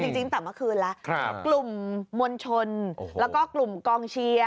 จริงตั้งแต่เมื่อคืนแล้วกลุ่มมวลชนแล้วก็กลุ่มกองเชียร์